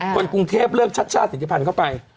คนกรุงเทพเลือกชัชช่าศิษยภัณฑ์เข้าไป